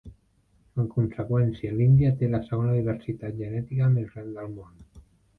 En conseqüència, l'Índia té la segona diversitat genètica més gran del món.